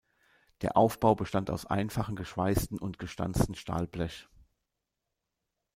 Der Aufbau bestand aus einfachem geschweißten und gestanzten Stahlblech.